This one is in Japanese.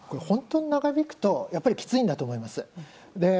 本当に長引くときついんだと思います。